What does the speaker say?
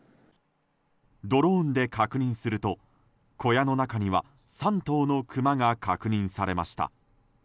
ドローンで確認すると小屋の中には３頭のクマが確認されました。